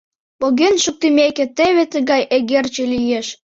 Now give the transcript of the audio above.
Поген шуктымеке, теве тыгай эгерче лиеш.